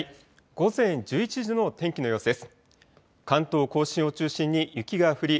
午前１１時の天気の様子です。